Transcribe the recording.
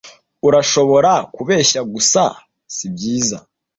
urashobora kubeshya gusa sibyiza